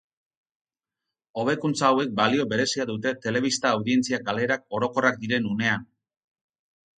Hobekuntza hauek balio berezia dute telebista audientzia galerak orokorrak diren unean.